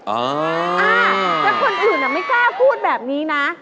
แล้วคนอื่นไม่กล้าพูดแบบนี้นะ